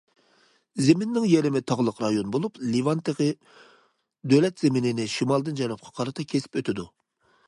زېمىنىنىڭ يېرىمى تاغلىق رايون بولۇپ، لىۋان تېغى دۆلەت زېمىنىنى شىمالدىن جەنۇبقا قارىتا كېسىپ ئۆتىدۇ.